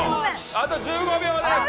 あと１５秒です。